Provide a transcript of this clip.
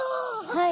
はい。